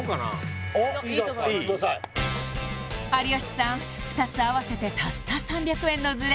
いってください有吉さん２つ合わせてたった３００円のズレ